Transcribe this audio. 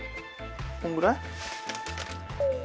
このぐらい？